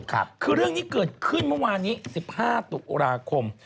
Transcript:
คือเรื่องนี้เกิดขึ้นเมื่อวานนี้๑๕ตุลาคม